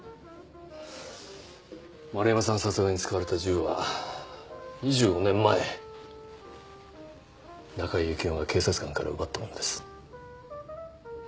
丸山さん殺害に使われた銃は２５年前中井幸雄が警察官から奪ったものです